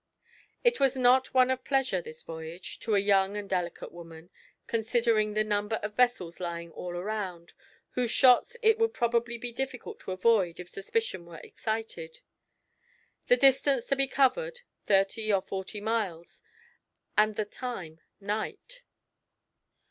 It was not one of pleasure, this voyage, to a young and delicate woman, considering the number of vessels lying all around, whose shots it would probably be difficult to avoid if suspicion were excited; the distance to be covered, thirty or forty miles, and the time, night.